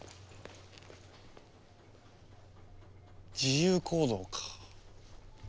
自由行動か。